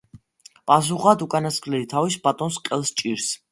პასუხად უკანასკნელი თავის ბატონს ყელს ჭრის.